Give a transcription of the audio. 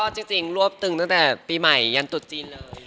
จริงรวบตึงตั้งแต่ปีใหม่ยันตุจีนเลย